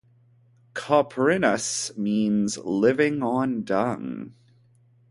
"Coprinus" means "living on dung".